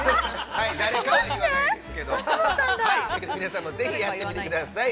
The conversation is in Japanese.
誰かは言わないですけれども。というわけで皆さんもぜひやってみてください。